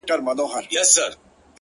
• چي ماښام ته ډوډۍ رانیسي پرېمانه ,